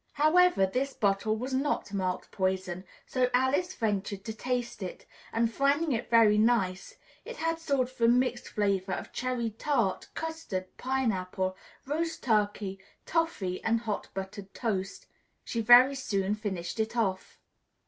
However, this bottle was not marked "poison," so Alice ventured to taste it, and, finding it very nice (it had a sort of mixed flavor of cherry tart, custard, pineapple, roast turkey, toffy and hot buttered toast), she very soon finished it off.